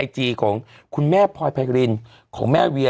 ต้องเปิดตัว